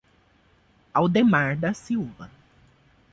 Aldemar da Silva